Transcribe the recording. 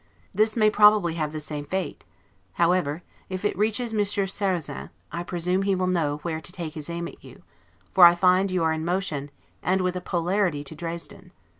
This may probably have the same fate; however, if it reaches Monsieur Sarrazin, I presume he will know where to take his aim at you; for I find you are in motion, and with a polarity to Dresden.